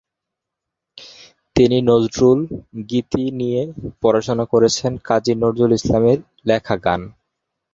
তিনি নজরুল গীতি নিয়ে পড়াশোনা করেছেন, কাজী নজরুল ইসলামের লেখা গান।